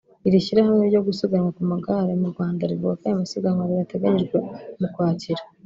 Iri shyirahamwe ryo gusiganwa ku magare mu Rwanda rivuga ko aya masiganwa abiri ateganyijwe mu Ukwakira